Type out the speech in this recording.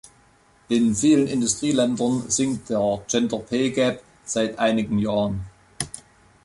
In vielen Industrieländern sinkt der "Gender Pay Gap" seit einigen Jahren.